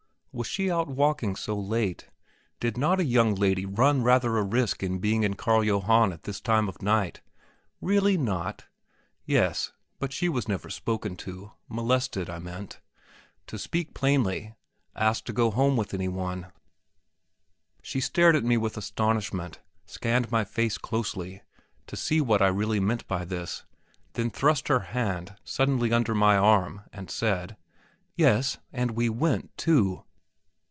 was she out walking so late? Did not a young lady run rather a risk in being in Carl Johann at this time of night? Really not? Yes; but was she never spoken to, molested, I meant; to speak plainly, asked to go along home with any one? She stared at me with astonishment, scanned my face closely, to see what I really meant by this, then thrust her hand suddenly under my arm, and said: "Yes, and we went too!"